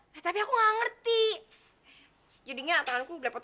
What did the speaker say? lihat dia udah jadi anak yang baik